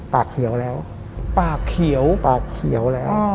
ปากเขียวแล้วปากเขียวปากเขียวแล้ว